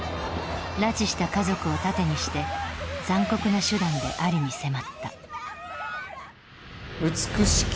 拉致した家族を盾にして残酷な手段でアリに迫った美しき